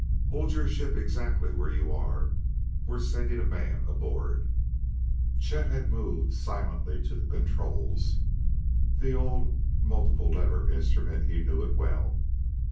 Hold your ship exactly where you are; we're sending a man aboard!" Chet had moved silently to the controls. The old multiple lever instrument he knew it well!